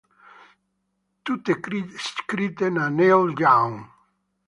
Tutte scritte da Neil Young.